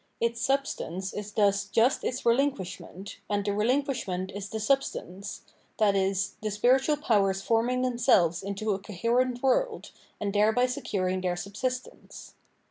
Its substance is thus just its re linquishment, and the relinquishment is the substance, i.e. the spiritual powers forming themselves into a coherent world, and thereby securing their subsistence.